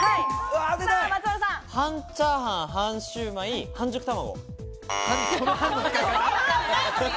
半チャーハン、半シューマイ、半熟卵。